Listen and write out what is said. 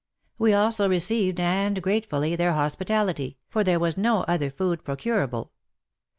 We also received, and grate fully, their hospitality, for there was no other food procurable.